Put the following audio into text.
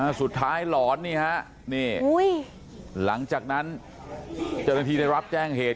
สุดท้ายหลอนนี่ฮะนี่หลังจากนั้นเจ้าหน้าที่ได้รับแจ้งเหตุ